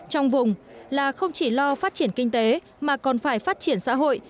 trong vùng là không chỉ lo phát triển kinh tế mà còn phải phát triển xã hội